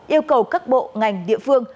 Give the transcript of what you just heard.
yêu cầu các bộ ngành địa phương